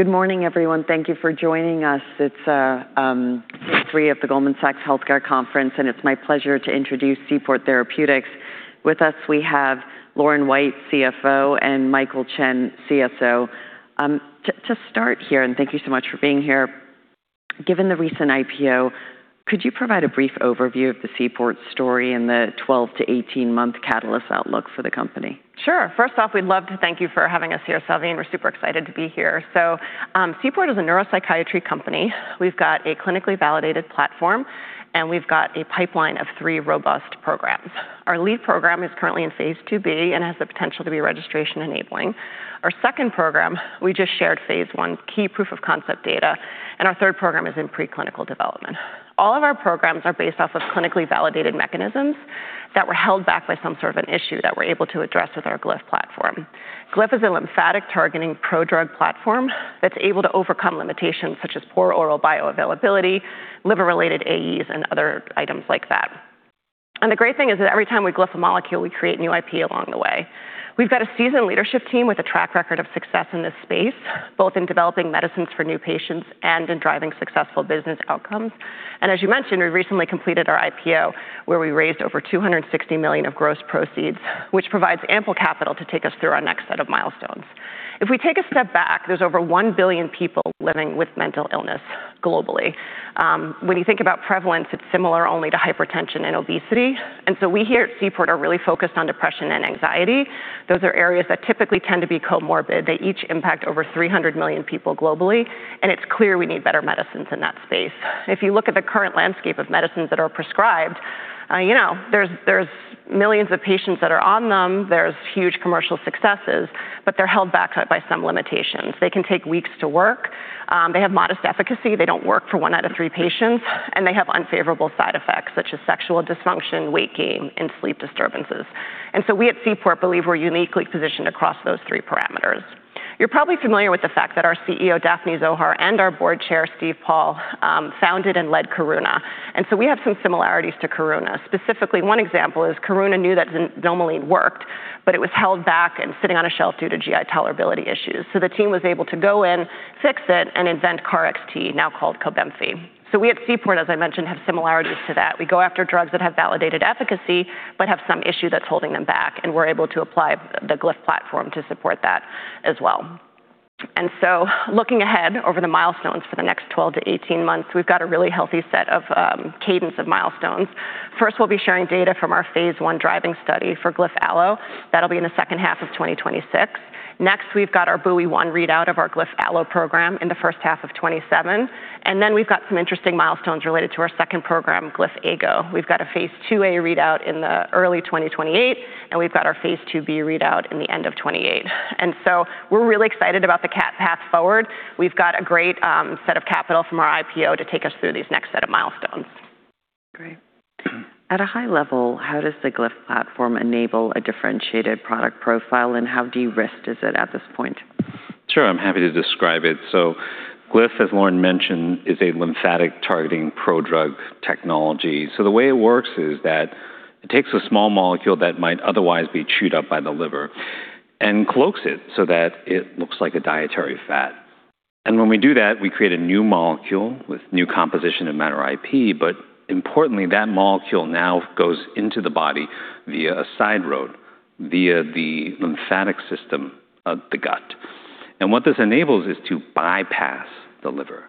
Good morning, everyone. Thank you for joining us. It's day three of the Goldman Sachs Healthcare Conference, and it's my pleasure to introduce Seaport Therapeutics. With us, we have Lauren White, CFO, and Michael Chen, CSO. To start here, and thank you so much for being here, given the recent IPO. Could you provide a brief overview of the Seaport story and the 12 to 18-month catalyst outlook for the company? Sure. First off, we'd love to thank you for having us here, Salveen. We're super excited to be here. Seaport is a neuropsychiatry company. We've got a clinically validated platform, and we've got a pipeline of three robust programs. Our lead program is currently in phase II-B and has the potential to be registration-enabling. Our second program, we just shared phase I key proof-of-concept data, and our third program is in preclinical development. All of our programs are based off of clinically validated mechanisms that were held back by some sort of an issue that we're able to address with our Glyph platform. Glyph is a lymphatic-targeting prodrug platform that's able to overcome limitations such as poor oral bioavailability, liver-related AEs, and other items like that. The great thing is that every time we Glyph a molecule, we create new IP along the way. We've got a seasoned leadership team with a track record of success in this space, both in developing medicines for new patients and in driving successful business outcomes. As you mentioned, we recently completed our IPO, where we raised over $260 million of gross proceeds, which provides ample capital to take us through our next set of milestones. If we take a step back, there's over one billion people living with mental illness globally. When you think about prevalence, it's similar only to hypertension and obesity. We here at Seaport are really focused on depression and anxiety. Those are areas that typically tend to be comorbid. They each impact over 300 million people globally, and it's clear we need better medicines in that space. If you look at the current landscape of medicines that are prescribed, there's millions of patients that are on them. There's huge commercial successes. They're held back by some limitations. They can take weeks to work. They have modest efficacy. They don't work for one out of three patients, and they have unfavorable side effects such as sexual dysfunction, weight gain, and sleep disturbances. We at Seaport believe we're uniquely positioned across those three parameters. You're probably familiar with the fact that our CEO, Daphne Zohar, and our Board Chair, Steve Paul, founded and led Karuna, and so we have some similarities to Karuna. Specifically, one example is Karuna knew that xanomeline worked, but it was held back and sitting on a shelf due to GI tolerability issues. The team was able to go in, fix it, and invent KarXT, now called Cobenfy. We at Seaport, as I mentioned, have similarities to that. We go after drugs that have validated efficacy but have some issue that's holding them back, we're able to apply the Glyph platform to support that as well. Looking ahead over the milestones for the next 12 months-18 months, we've got a really healthy set of cadence of milestones. First, we'll be sharing data from our phase I driving study for GlyphAllo. That'll be in the second half of 2026. Next, we've got our BUOY-1 readout of our GlyphAllo program in the first half of 2027. We've got some interesting milestones related to our second program, GlyphAgo. We've got a phase II-A readout in the early 2028, we've got our phase II-B readout in the end of 2028. We're really excited about the path forward. We've got a great set of capital from our IPO to take us through these next set of milestones. Great. At a high level, how does the Glyph platform enable a differentiated product profile, and how de-risked is it at this point? Sure. I'm happy to describe it. Glyph, as Lauren mentioned, is a lymphatic-targeting prodrug technology. The way it works is that it takes a small molecule that might otherwise be chewed up by the liver and cloaks it so that it looks like a dietary fat. When we do that, we create a new molecule with new composition of matter IP, but importantly, that molecule now goes into the body via a side road, via the lymphatic system of the gut. What this enables is to bypass the liver.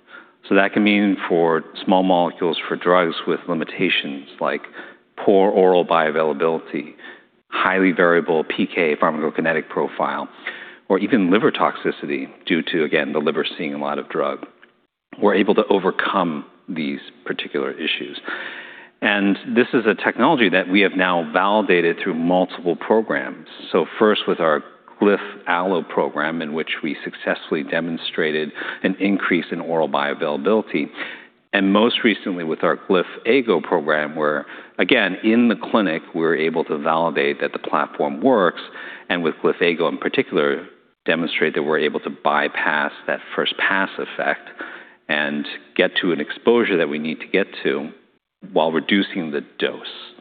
That can mean for small molecules for drugs with limitations like poor oral bioavailability, highly variable PK pharmacokinetic profile, or even liver toxicity due to, again, the liver seeing a lot of drug. We're able to overcome these particular issues. This is a technology that we have now validated through multiple programs. First with our GlyphAllo program, in which we successfully demonstrated an increase in oral bioavailability, and most recently with our GlyphAgo program, where again, in the clinic, we're able to validate that the platform works, and with GlyphAgo in particular, demonstrate that we're able to bypass that first pass effect and get to an exposure that we need to get to while reducing the dose.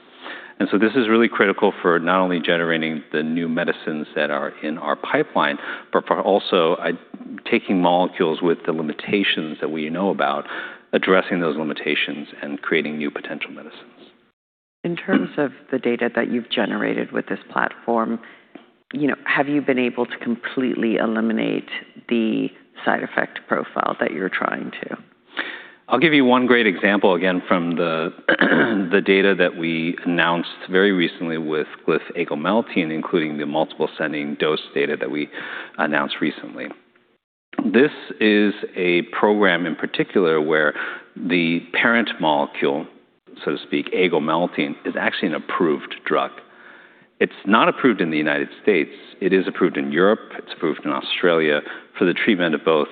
This is really critical for not only generating the new medicines that are in our pipeline, but for also taking molecules with the limitations that we know about, addressing those limitations, and creating new potential medicines. In terms of the data that you've generated with this platform, have you been able to completely eliminate the side effect profile that you're trying to? I'll give you one great example again from the data that we announced very recently with GlyphAgo, including the multiple ascending dose data that we announced recently. This is a program in particular where the parent molecule, so to speak, agomelatine, is actually an approved drug. It's not approved in the U.S. It is approved in Europe. It's approved in Australia for the treatment of both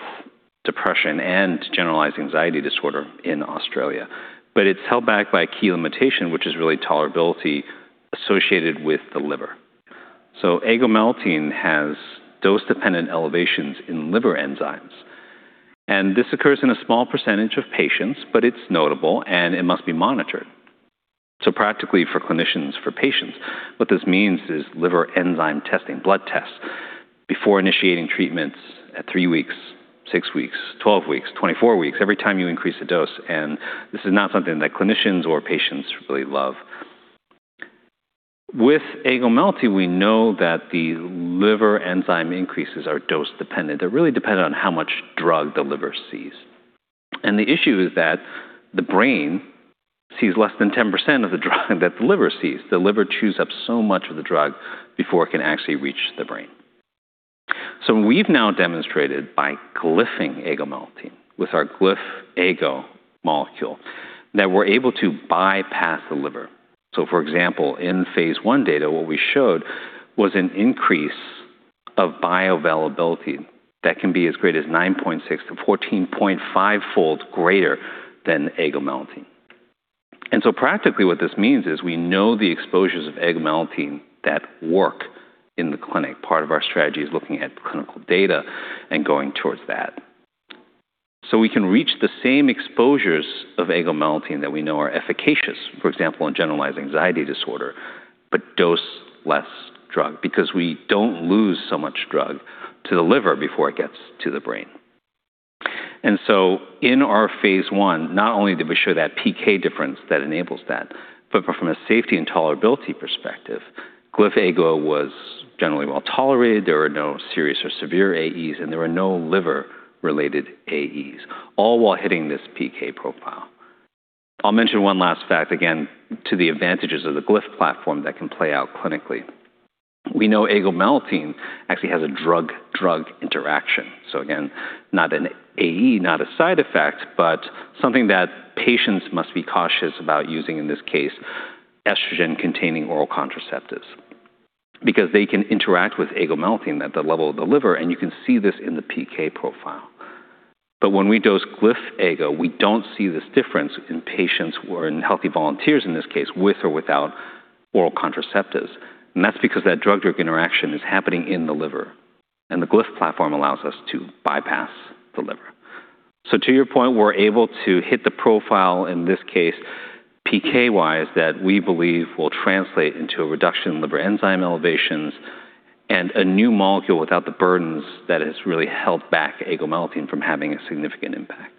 depression and generalized anxiety disorder in Australia. It's held back by a key limitation, which is really tolerability associated with the liver. Agomelatine has dose-dependent elevations in liver enzymes, and this occurs in a small percentage of patients, but it's notable, and it must be monitored. So practically for clinicians, for patients, what this means is liver enzyme testing, blood tests, before initiating treatments at three weeks, six weeks, 12 weeks, 24 weeks, every time you increase the dose. This is not something that clinicians or patients really love. With agomelatine, we know that the liver enzyme increases are dose-dependent. They're really dependent on how much drug the liver sees. The issue is that the brain sees less than 10% of the drug that the liver sees. The liver chews up so much of the drug before it can actually reach the brain. We've now demonstrated by glyphing agomelatine with our GlyphAgo molecule that we're able to bypass the liver. For example, in phase I data, what we showed was an increase of bioavailability that can be as great as 9.6-14.5 folds greater than agomelatine. Practically what this means is we know the exposures of agomelatine that work in the clinic. Part of our strategy is looking at clinical data and going towards that. We can reach the same exposures of agomelatine that we know are efficacious, for example, in generalized anxiety disorder, dose less drug because we don't lose so much drug to the liver before it gets to the brain. In our phase I, not only did we show that PK difference that enables that, but from a safety and tolerability perspective, GlyphAgo was generally well-tolerated. There were no serious or severe AEs, and there were no liver-related AEs, all while hitting this PK profile. I'll mention one last fact, again, to the advantages of the Glyph platform that can play out clinically. We know agomelatine actually has a drug-drug interaction. Again, not an AE, not a side effect, something that patients must be cautious about using, in this case, estrogen-containing oral contraceptives, because they can interact with agomelatine at the level of the liver, and you can see this in the PK profile. When we dose GlyphAgo, we don't see this difference in patients or in healthy volunteers, in this case, with or without oral contraceptives. That's because that drug-drug interaction is happening in the liver, and the Glyph platform allows us to bypass the liver. To your point, we're able to hit the profile, in this case, PK-wise, that we believe will translate into a reduction in liver enzyme elevations and a new molecule without the burdens that has really held back agomelatine from having a significant impact.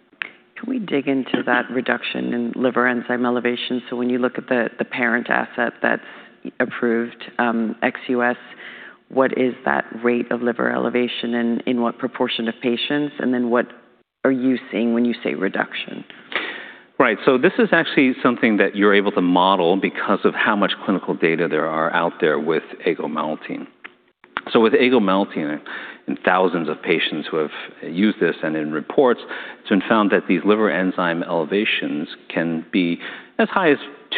Can we dig into that reduction in liver enzyme elevation? When you look at the parent asset that's approved, ex-U.S. what is that rate of liver elevation and in what proportion of patients? What are you seeing when you say reduction? Right. This is actually something that you're able to model because of how much clinical data there are out there with agomelatine. With agomelatine, in thousands of patients who have used this and in reports, it's been found that these liver enzyme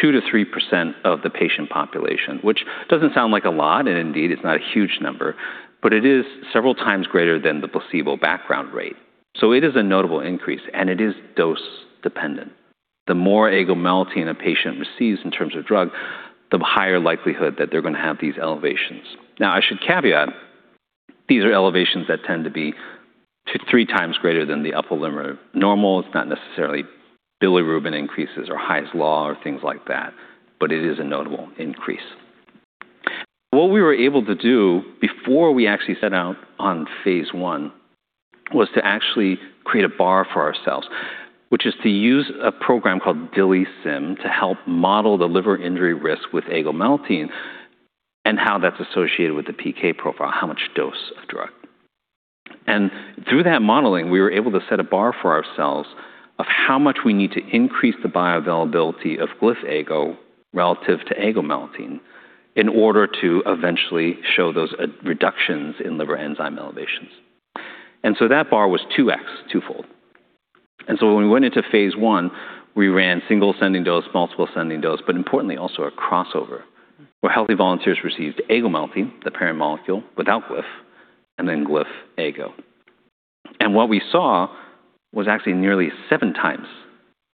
elevations can be as high as 2%-3% of the patient population, which doesn't sound like a lot, and indeed, it's not a huge number, but it is several times greater than the placebo background rate. It is a notable increase, and it is dose-dependent. The more agomelatine a patient receives in terms of drug, the higher likelihood that they're going to have these elevations. Now, I should caveat, these are elevations that tend to be 2x-3x greater than the upper limit of normal. It's not necessarily bilirubin increases or Hy's law or things like that, but it is a notable increase. What we were able to do before we actually set out on phase I was to actually create a bar for ourselves, which is to use a program called DILIsym to help model the liver injury risk with agomelatine and how that's associated with the PK profile, how much dose of drug. Through that modeling, we were able to set a bar for ourselves of how much we need to increase the bioavailability of GlyphAgo relative to agomelatine in order to eventually show those reductions in liver enzyme elevations. That bar was 2x, twofold. When we went into phase I, we ran single ascending dose, multiple ascending dose, but importantly also a crossover, where healthy volunteers received agomelatine, the parent molecule, without Glyph, then GlyphAgo. What we saw was actually nearly 7x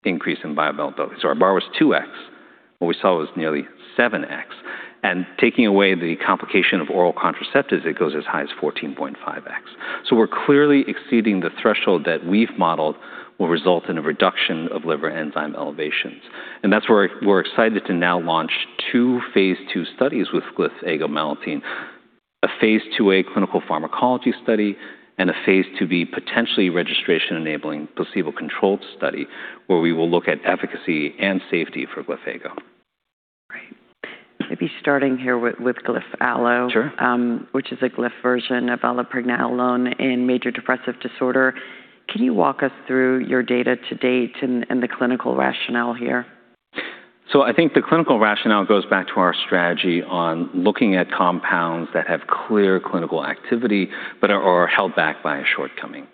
the increase in bioavailability. Our bar was 2x. What we saw was nearly 7x. Taking away the complication of oral contraceptives, it goes as high as 14.5x. We're clearly exceeding the threshold that we've modeled will result in a reduction of liver enzyme elevations. That's why we're excited to now launch two phase II studies with GlyphAgo, a phase II-A clinical pharmacology study, a phase II-B potentially registration-enabling placebo-controlled study, where we will look at efficacy and safety for GlyphAgo. Great. Maybe starting here with GlyphAllo- Sure. -which is a Glyph version of allopregnanolone in major depressive disorder. Can you walk us through your data to date and the clinical rationale here? I think the clinical rationale goes back to our strategy on looking at compounds that have clear clinical activity but are held back by a shortcoming.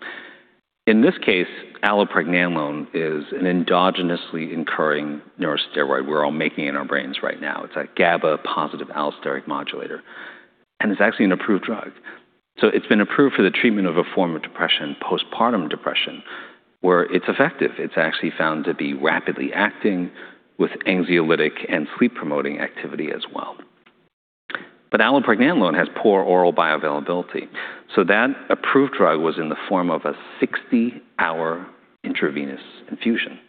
In this case, allopregnanolone is an endogenously occurring neurosteroid. We're all making it in our brains right now. It's a GABA positive allosteric modulator. It's actually an approved drug. It's been approved for the treatment of a form of depression, postpartum depression, where it's effective. It's actually found to be rapidly acting with anxiolytic and sleep-promoting activity as well. But allopregnanolone has poor oral bioavailability. That approved drug was in the form of a 60-hour intravenous infusion.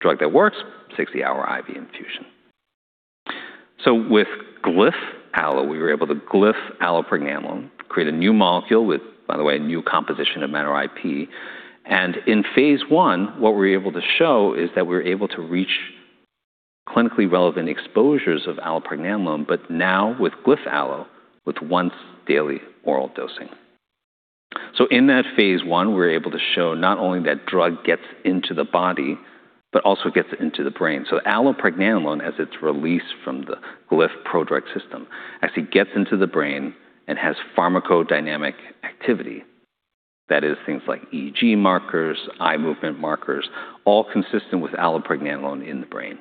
Drug that works, 60-hour IV infusion. With GlyphAllo, we were able to Glyph allopregnanolone, create a new molecule with, by the way, a new composition of matter IP. In phase I, what we're able to show is that we're able to reach clinically relevant exposures of allopregnanolone, but now with GlyphAllo with once daily oral dosing. In that phase I, we're able to show not only that drug gets into the body, but also gets into the brain. Allopregnanolone, as it's released from the Glyph prodrug system, actually gets into the brain and has pharmacodynamic activity. That is things like EEG markers, eye movement markers, all consistent with allopregnanolone in the brain.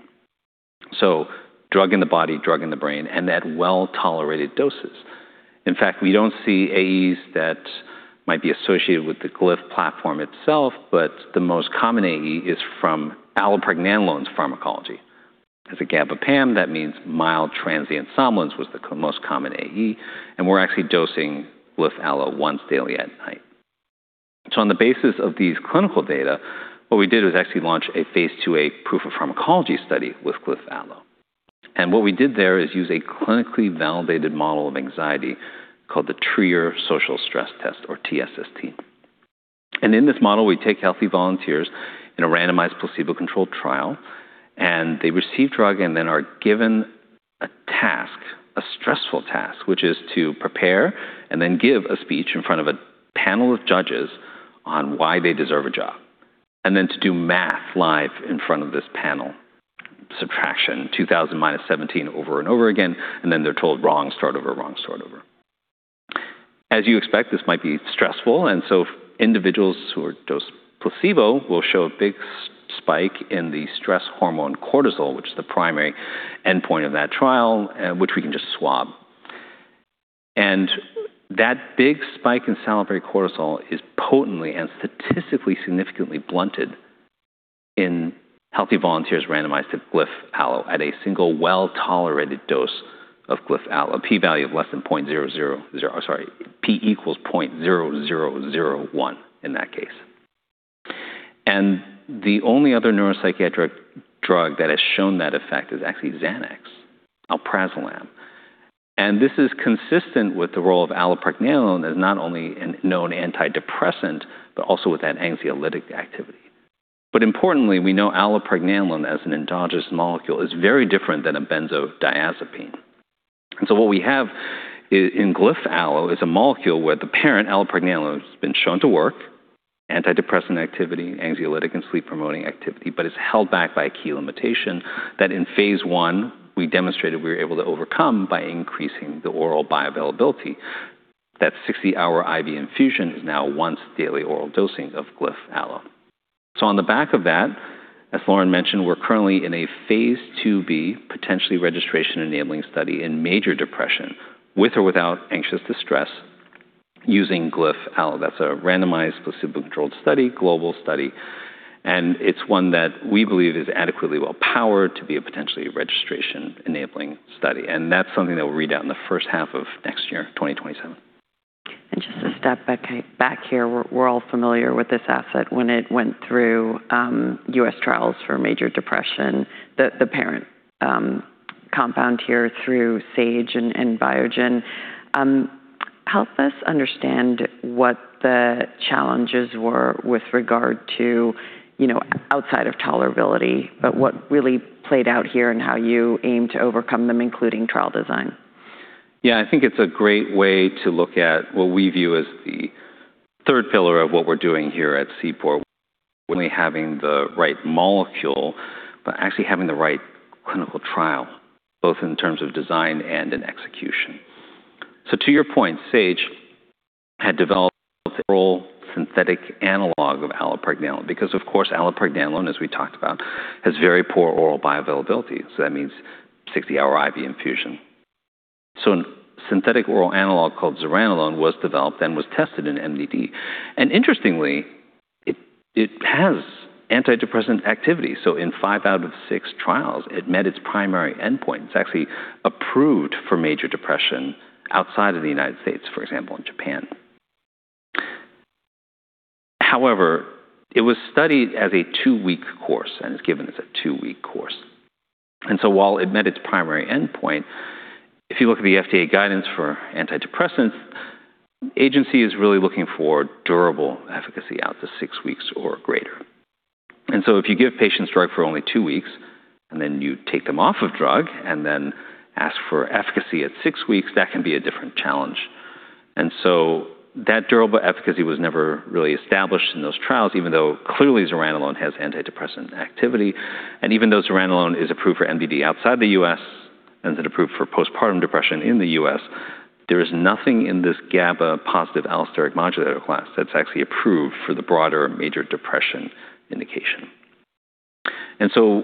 Drug in the body, drug in the brain, and at well-tolerated doses. In fact, we don't see AEs that might be associated with the Glyph platform itself, but the most common AE is from allopregnanolone's pharmacology. As a GABA PAM, that means mild transient somnolence was the most common AE. We're actually dosing GlyphAllo once daily at night. On the basis of these clinical data, what we did was actually launch a phase II-A proof of pharmacology study with GlyphAllo. What we did there is use a clinically validated model of anxiety called the Trier Social Stress Test, or TSST. In this model, we take healthy volunteers in a randomized placebo-controlled trial. They receive drug and then are given a task, a stressful task, which is to prepare and then give a speech in front of a panel of judges on why they deserve a job. Then to do math live in front of this panel. Subtraction, 2,000-17 over-and-over again. Then they're told wrong, start over, wrong, start over. As you expect, this might be stressful. Individuals who are dosed placebo will show a big spike in the stress hormone cortisol, which is the primary endpoint of that trial, which we can just swab. That big spike in salivary cortisol is potently and statistically significantly blunted in healthy volunteers randomized to GlyphAllo at a single well-tolerated dose of GlyphAllo. P equals 0.0001 in that case. The only other neuropsychiatric drug that has shown that effect is actually XANAX, alprazolam. This is consistent with the role of allopregnanolone as not only a known antidepressant, but also with that anxiolytic activity. Importantly, we know allopregnanolone as an endogenous molecule is very different than a benzodiazepine. What we have in GlyphAllo is a molecule where the parent allopregnanolone has been shown to work, antidepressant activity, anxiolytic, and sleep-promoting activity, but is held back by a key limitation that in phase I we demonstrated we were able to overcome by increasing the oral bioavailability. That 60-hour IV infusion is now once daily oral dosing of GlyphAllo. On the back of that, as Lauren mentioned, we're currently in a phase II-B potentially registration-enabling study in major depression with or without anxious distress using GlyphAllo. That's a randomized placebo-controlled study, global study, and it's one that we believe is adequately well-powered to be a potentially registration-enabling study. That's something that we'll read out in the first half of next year, 2027. Just to step back here, we're all familiar with this asset. When it went through U.S. trials for major depression, the parent compound here through Sage and Biogen. Help us understand what the challenges were with regard to outside of tolerability? But what really played out here and how you aim to overcome them, including trial design? I think it's a great way to look at what we view as the third pillar of what we're doing here at Seaport. When we're having the right molecule, but actually having the right clinical trial, both in terms of design and in execution. To your point, Sage had developed oral synthetic analog of allopregnanolone, because, of course, allopregnanolone, as we talked about, has very poor oral bioavailability. That means 60-hour IV infusion. A synthetic oral analog called zuranolone was developed and was tested in MDD. Interestingly, it has antidepressant activity. In five out of six trials, it met its primary endpoint. It's actually approved for major depression outside of the U.S., for example, in Japan. However, it was studied as a two-week course and is given as a two-week course. While it met its primary endpoint, if you look at the FDA guidance for antidepressants, agency is really looking for durable efficacy out to six weeks or greater. If you give patients drug for only two weeks, then you take them off of drug and then ask for efficacy at six weeks, that can be a different challenge. That durable efficacy was never really established in those trials, even though clearly zuranolone has antidepressant activity, and even though zuranolone is approved for MDD outside the U.S. and is approved for postpartum depression in the U.S., there is nothing in this GABA positive allosteric modulator class that's actually approved for the broader major depression indication.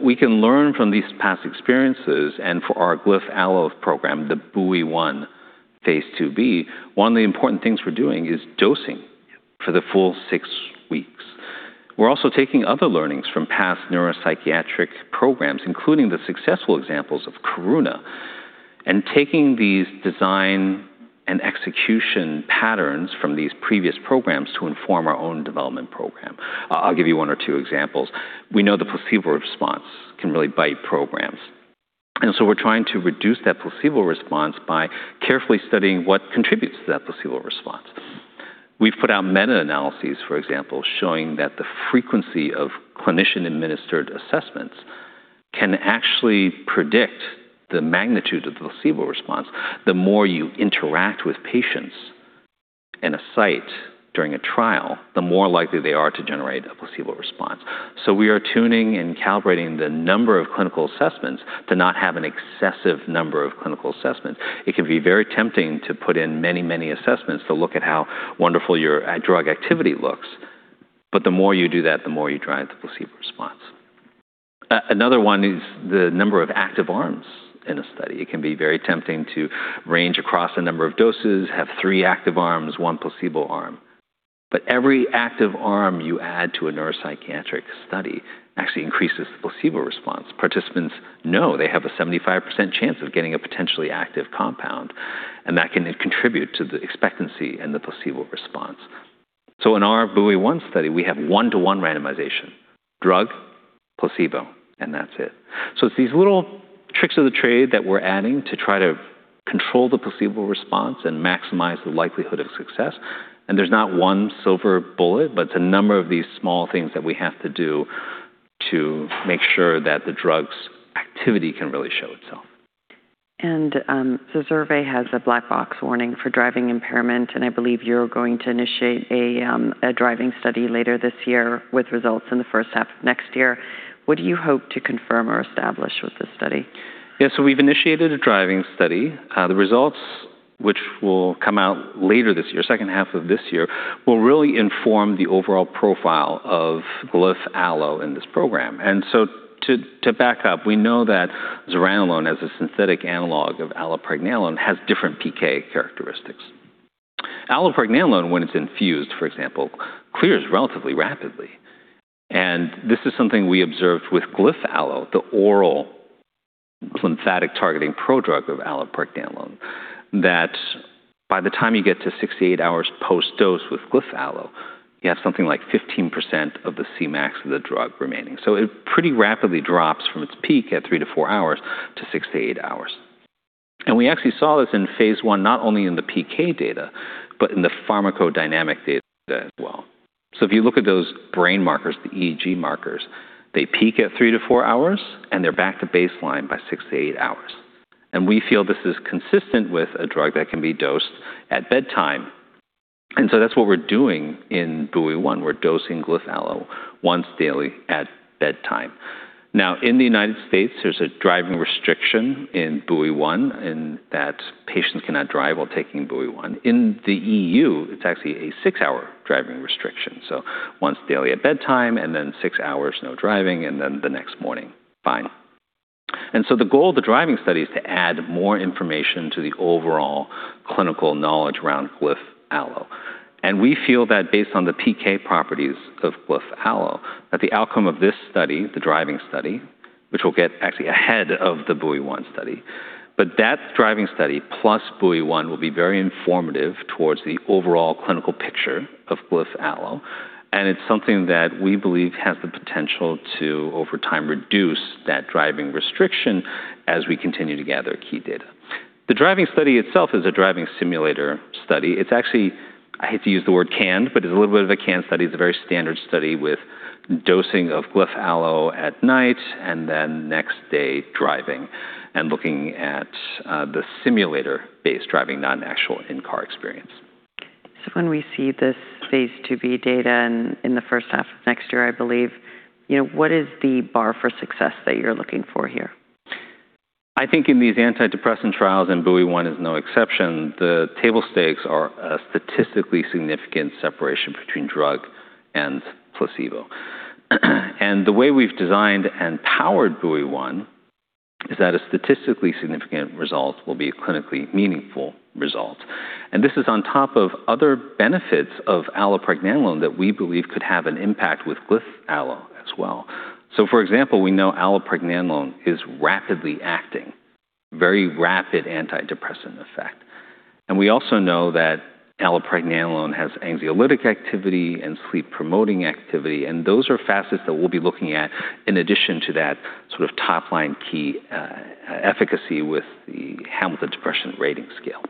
We can learn from these past experiences, and for our GlyphAllo program, the BUOY-1 phase II-B, one of the important things we're doing is dosing for the full six weeks. We're also taking other learnings from past neuropsychiatric programs, including the successful examples of Karuna, taking these design and execution patterns from these previous programs to inform our own development program. I'll give you one or two examples. We know the placebo response can really bite programs, we're trying to reduce that placebo response by carefully studying what contributes to that placebo response. We've put out meta-analyses, for example, showing that the frequency of clinician-administered assessments can actually predict the magnitude of the placebo response. The more you interact with patients in a site during a trial, the more likely they are to generate a placebo response. We are tuning and calibrating the number of clinical assessments to not have an excessive number of clinical assessments. It can be very tempting to put in many, many assessments to look at how wonderful your drug activity looks. The more you do that, the more you drive the placebo response. Another one is the number of active arms in a study. It can be very tempting to range across a number of doses, have three active arms, one placebo arm. Every active arm you add to a neuropsychiatric study actually increases the placebo response. Participants know they have a 75% chance of getting a potentially active compound, and that can contribute to the expectancy and the placebo response. In our BUOY-1 study, we have one-to-one randomization, drug, placebo, and that's it. It's these little tricks of the trade that we're adding to try to control the placebo response and maximize the likelihood of success. There's not one silver bullet, but it's a number of these small things that we have to do to make sure that the drug's activity can really show itself. ZURZUVAE has a black box warning for driving impairment, and I believe you're going to initiate a driving study later this year with results in the first half of next year. What do you hope to confirm or establish with this study? Yeah, we've initiated a driving study. The results, which will come out later this year, second half of this year, will really inform the overall profile of GlyphAllo in this program. To back up, we know that zuranolone as a synthetic analog of allopregnanolone has different PK characteristics. Allopregnanolone, when it's infused, for example, clears relatively rapidly. This is something we observed with GlyphAllo, the oral lymphatic-targeting prodrug of allopregnanolone, that by the time you get to six to eight hours post-dose with GlyphAllo, you have something like 15% of the Cmax of the drug remaining. It pretty rapidly drops from its peak at three to four hours to six to eight hours. We actually saw this in phase I, not only in the PK data, but in the pharmacodynamic data as well. If you look at those brain markers, the EEG markers, they peak at three to four hours, and they're back to baseline by six to eight hours. We feel this is consistent with a drug that can be dosed at bedtime. That's what we're doing in BUOY-1. We're dosing GlyphAllo once daily at bedtime. Now, in the U.S., there's a driving restriction in BUOY-1 in that patients cannot drive while taking BUOY-1. In the EU, it's actually a six-hour driving restriction. Once daily at bedtime, six hours no driving, the next morning, fine. The goal of the driving study is to add more information to the overall clinical knowledge around GlyphAllo. We feel that based on the PK properties of GlyphAllo, that the outcome of this study, the driving study, which we'll get actually ahead of the BUOY-1 study. That driving study plus BUOY-1 will be very informative towards the overall clinical picture of GlyphAllo, it's something that we believe has the potential to, over time, reduce that driving restriction as we continue to gather key data. The driving study itself is a driving simulator study. It's actually, I hate to use the word canned, but it's a little bit of a canned study. It's a very standard study with dosing of GlyphAllo at night next day driving and looking at the simulator-based driving, not an actual in-car experience. When we see this phase II-B data in the first half of next year, I believe. What is the bar for success that you're looking for here? I think in these antidepressant trials, BUOY-1 is no exception, the table stakes are a statistically significant separation between drug and placebo. The way we've designed and powered BUOY-1 is that a statistically significant result will be a clinically meaningful result. This is on top of other benefits of allopregnanolone that we believe could have an impact with GlyphAllo as well. For example, we know allopregnanolone is rapidly acting, very rapid antidepressant effect. We also know that allopregnanolone has anxiolytic activity and sleep-promoting activity, and those are facets that we'll be looking at in addition to that sort of top-line key efficacy with the Hamilton Depression Rating Scale.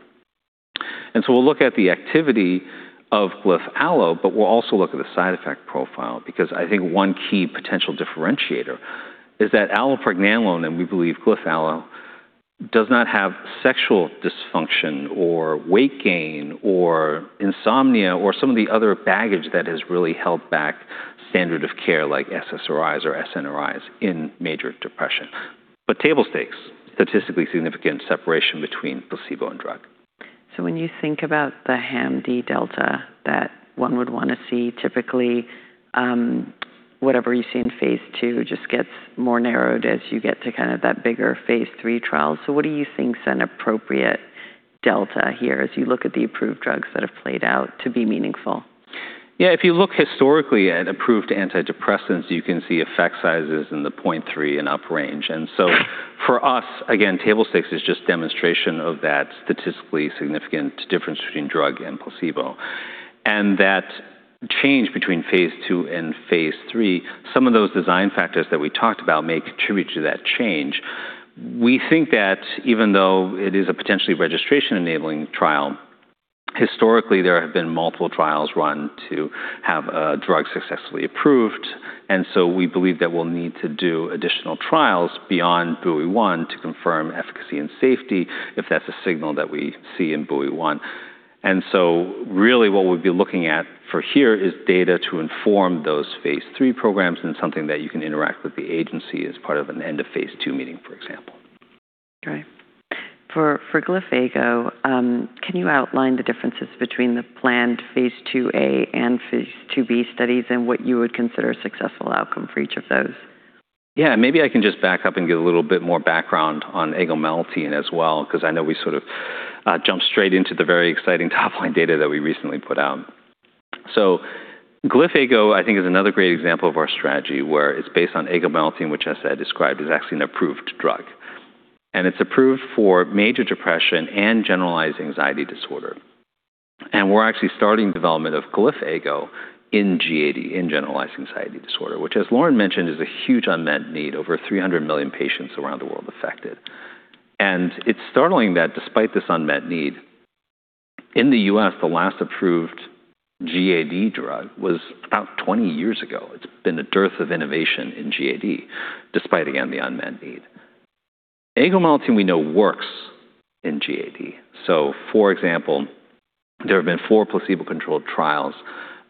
We'll look at the activity of GlyphAllo, but we'll also look at the side effect profile because I think one key potential differentiator is that allopregnanolone, and we believe GlyphAllo, does not have sexual dysfunction or weight gain or insomnia or some of the other baggage that has really held back standard of care like SSRIs or SNRIs in major depression. Table stakes, statistically significant separation between placebo and drug. When you think about the HAM-D delta that one would want to see, typically, whatever you see in phase II just gets more narrowed as you get to kind of that bigger phase III trial. What do you think is an appropriate delta here as you look at the approved drugs that have played out to be meaningful? Yeah, if you look historically at approved antidepressants, you can see effect sizes in the 0.3 and up range. For us, again, table stakes is just demonstration of that statistically significant difference between drug and placebo. That change between phase II and phase III, some of those design factors that we talked about may contribute to that change. We think that even though it is a potentially registration-enabling trial, historically, there have been multiple trials run to have a drug successfully approved. We believe that we'll need to do additional trials beyond BUOY-1 to confirm efficacy and safety if that's a signal that we see in BUOY-1. Really what we'd be looking at for here is data to inform those phase III programs and something that you can interact with the agency as part of an end of phase II meeting, for example. Okay. For GlyphAgo, can you outline the differences between the planned phase II-A and phase II-B studies and what you would consider a successful outcome for each of those? Yeah. Maybe I can just back up and give a little bit more background on agomelatine as well, because I know we sort of jumped straight into the very exciting top-line data that we recently put out. GlyphAgo, I think, is another great example of our strategy, where it's based on agomelatine, which as I described, is actually an approved drug. It's approved for major depressive disorder and generalized anxiety disorder. We're actually starting development of GlyphAgo in GAD, in generalized anxiety disorder, which as Lauren mentioned, is a huge unmet need. Over 300 million patients around the world affected. It's startling that despite this unmet need, in the U.S., the last approved GAD drug was about 20 years ago. It's been a dearth of innovation in GAD, despite, again, the unmet need. Agomelatine we know works in GAD. For example, there have been four placebo-controlled trials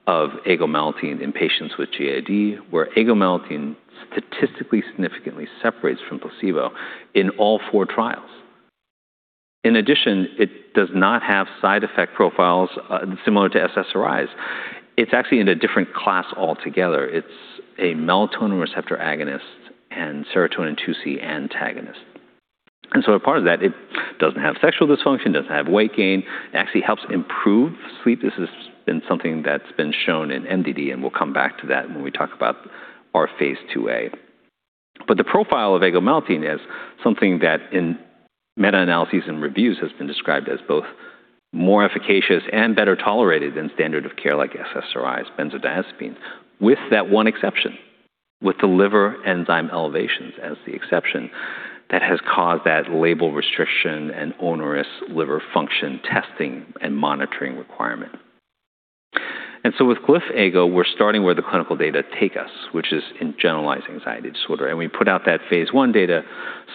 of agomelatine in patients with GAD, where agomelatine statistically significantly separates from placebo in all four trials. In addition, it does not have side effect profiles similar to SSRIs. It's actually in a different class altogether. It's a melatonin receptor agonist and serotonin 2C antagonist. A part of that, it doesn't have sexual dysfunction, doesn't have weight gain, it actually helps improve sleep. This has been something that's been shown in MDD, and we'll come back to that when we talk about our phase II-A. The profile of agomelatine is something that in meta-analyses and reviews has been described as both more efficacious and better tolerated than standard of care like SSRIs, benzodiazepines, with that one exception, with the liver enzyme elevations as the exception that has caused that label restriction and onerous liver function testing and monitoring requirement. With GlyphAgo, we're starting where the clinical data take us, which is in generalized anxiety disorder. We put out that phase I data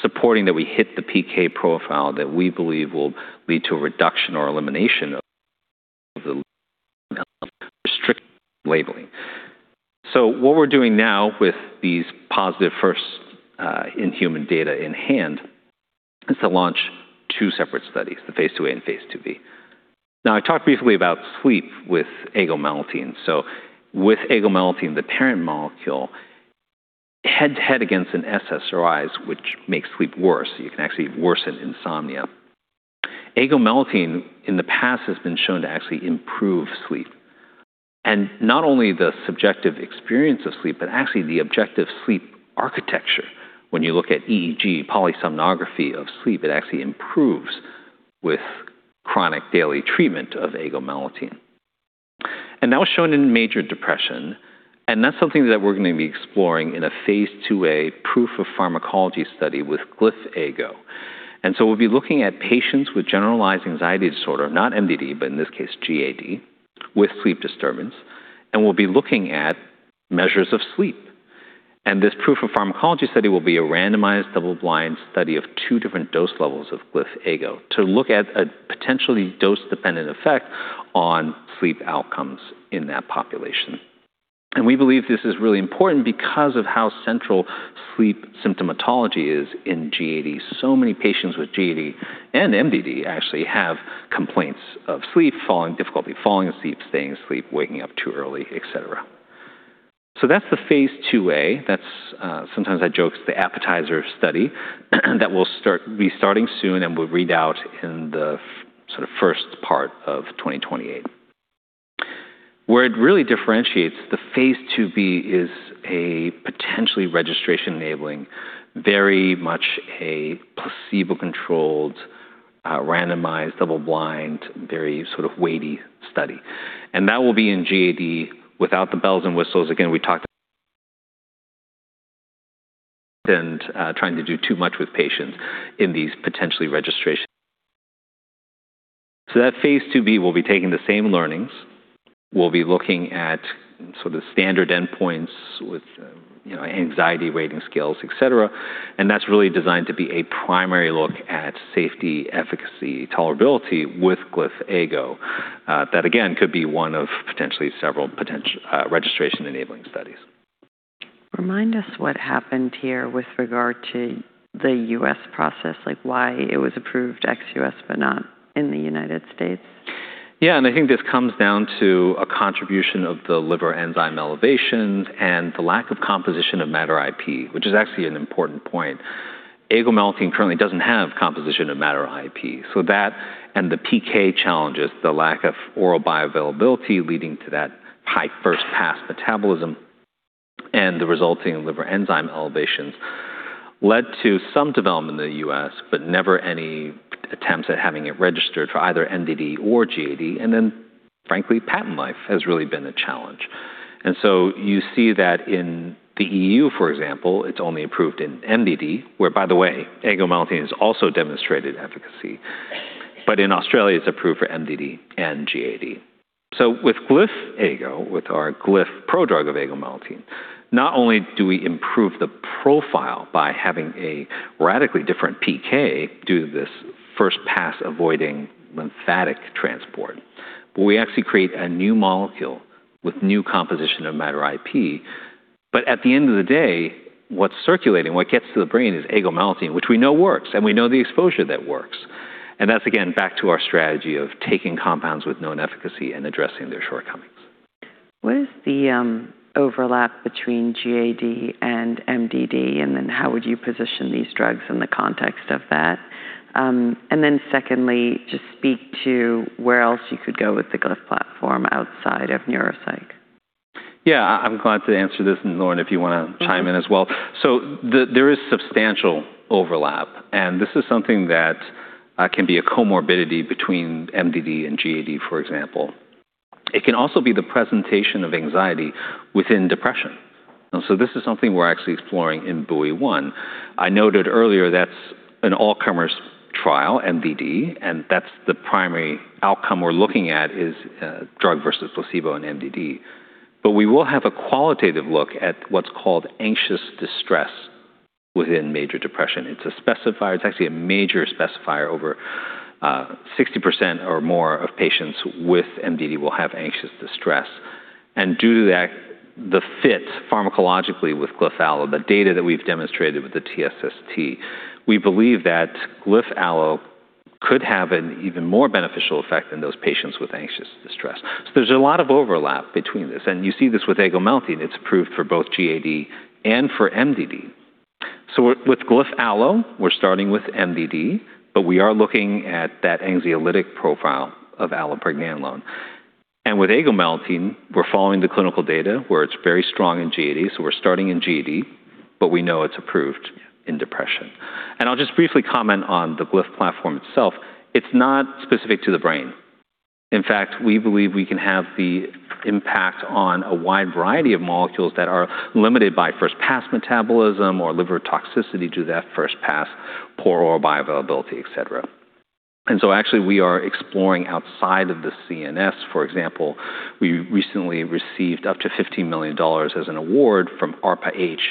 supporting that we hit the PK profile that we believe will lead to a reduction or elimination of the restrictive labeling. What we're doing now with these positive first in human data in hand is to launch two separate studies, the phase II-A and phase II-B. I talked briefly about sleep with agomelatine. With agomelatine, the parent molecule, head to head against an SSRIs, which makes sleep worse. You can actually worsen insomnia. Agomelatine in the past has been shown to actually improve sleep. Not only the subjective experience of sleep, but actually the objective sleep architecture. When you look at EEG polysomnography of sleep, it actually improves with chronic daily treatment of agomelatine. That was shown in major depression, and that's something that we're going to be exploring in a phase II-A proof of pharmacology study with GlyphAgo. We'll be looking at patients with generalized anxiety disorder, not MDD, but in this case GAD, with sleep disturbance. We'll be looking at measures of sleep. This proof of pharmacology study will be a randomized, double-blind study of two different dose levels of GlyphAgo to look at a potentially dose-dependent effect on sleep outcomes in that population. We believe this is really important because of how central sleep symptomatology is in GAD. Many patients with GAD and MDD actually have complaints of sleep, difficulty falling asleep, staying asleep, waking up too early, et cetera. That's the phase II-A. Sometimes I joke it's the appetizer study that we'll be starting soon and will read out in the first part of 2028. Where it really differentiates the phase II-B is a potentially registration enabling, very much a placebo-controlled, randomized, double-blind, very sort of weighty study. That will be in GAD without the bells and whistles. Again, we talked. That phase II-B will be taking the same learnings. We'll be looking at sort of standard endpoints with anxiety rating scales, et cetera. That's really designed to be a primary look at safety, efficacy, tolerability with GlyphAgo. That again, could be one of potentially several registration enabling studies. Remind us what happened here with regard to the U.S. process, like why it was approved ex-U.S. but not in the United States? I think this comes down to a contribution of the liver enzyme elevations and the lack of composition of matter IP, which is actually an important point. Agomelatine currently doesn't have composition of matter IP. That and the PK challenges, the lack of oral bioavailability leading to that high first pass metabolism, and the resulting liver enzyme elevations led to some development in the U.S., but never any attempts at having it registered for either MDD or GAD. Then frankly, patent life has really been a challenge. You see that in the E.U., for example, it's only approved in MDD, where, by the way, agomelatine has also demonstrated efficacy. In Australia, it's approved for MDD and GAD. With GlyphAgo, with our Glyph prodrug of agomelatine, not only do we improve the profile by having a radically different PK due to this first pass avoiding lymphatic transport, we actually create a new molecule with new composition of matter IP. At the end of the day, what's circulating, what gets to the brain is agomelatine, which we know works, and we know the exposure that works. That's, again, back to our strategy of taking compounds with known efficacy and addressing their shortcomings. What is the overlap between GAD and MDD, how would you position these drugs in the context of that? Secondly, just speak to where else you could go with the Glyph platform outside of neuropsych. I'm glad to answer this, Lauren, if you want to chime in as well. There is substantial overlap, and this is something that can be a comorbidity between MDD and GAD, for example. It can also be the presentation of anxiety within depression. This is something we're actually exploring in BUOY-1. I noted earlier that's an all-comers trial, MDD, and that's the primary outcome we're looking at is drug versus placebo in MDD. We will have a qualitative look at what's called anxious distress within major depression. It's a specifier. It's actually a major specifier. Over 60% or more of patients with MDD will have anxious distress. Due to that, the fit pharmacologically with GlyphAllo, the data that we've demonstrated with the TSST, we believe that GlyphAllo could have an even more beneficial effect in those patients with anxious distress. There's a lot of overlap between this, and you see this with agomelatine. It's approved for both GAD and for MDD. With GlyphAllo, we're starting with MDD, but we are looking at that anxiolytic profile of allopregnanolone. With agomelatine, we're following the clinical data where it's very strong in GAD. We're starting in GAD, but we know it's approved in depression. I'll just briefly comment on the Glyph platform itself. It's not specific to the brain. In fact, we believe we can have the impact on a wide variety of molecules that are limited by first-pass metabolism or liver toxicity due to that first pass, poor oral bioavailability, et cetera. Actually, we are exploring outside of the CNS. For example, we recently received up to $15 million as an award from ARPA-H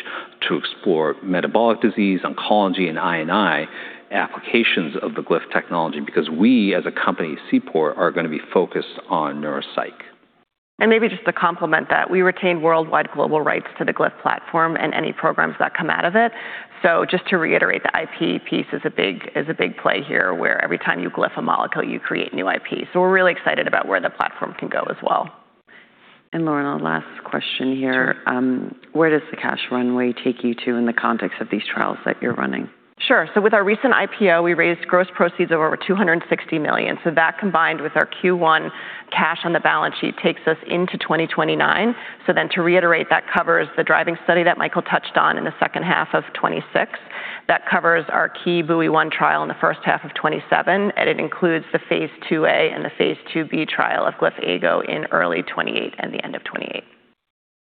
to explore metabolic disease, oncology, and I&I applications of the Glyph technology because we, as a company, Seaport, are going to be focused on neuropsych. Maybe just to complement that, we retain worldwide global rights to the Glyph platform and any programs that come out of it. Just to reiterate, the IP piece is a big play here, where every time you Glyph a molecule, you create new IP. We're really excited about where the platform can go as well. Lauren, last question here. Where does the cash runway take you two in the context of these trials that you're running? Sure. With our recent IPO, we raised gross proceeds of over $260 million. That combined with our Q1 cash on the balance sheet takes us into 2029. To reiterate, that covers the driving study that Michael touched on in the second half of 2026. That covers our key BUOY-1 trial in the first half of 2027. It includes the phase II-A and the phase II- trial of GlyphAgo in early 2028 and the end of 2028.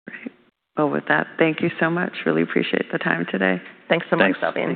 Great. Well, with that, thank you so much. Really appreciate the time today. Thanks so much, Salveen.